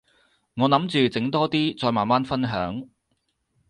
我諗住整多啲，再慢慢分享